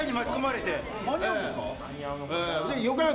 間に合うんですか？